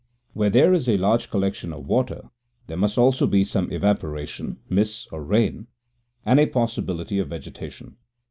Where there is a large collection of water there must also be some evaporation, mists or rain, and a possibility of vegetation.